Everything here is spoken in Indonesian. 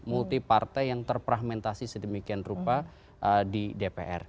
multi partai yang terpragmentasi sedemikian rupa di dpr